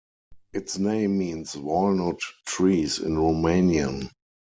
Its name means "walnut trees" in Romanian.